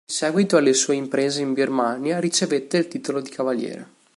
In seguito alle sue imprese in Birmania ricevette il titolo di cavaliere.